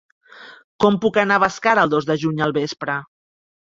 Com puc anar a Bàscara el dos de juny al vespre?